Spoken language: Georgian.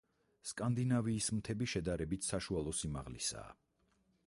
სკანდინავიის მთები შედარებით საშუალო სიმაღლისაა.